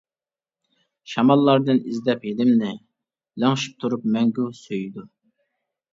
شاماللاردىن ئىزدەپ ھىدىمنى، لىڭشىپ تۇرۇپ مەڭگۈ سۆيىدۇ.